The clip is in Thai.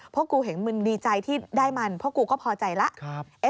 พวกกูเห็นมึงดีใจที่ได้มันเพราะกูก็พอใจแล้ว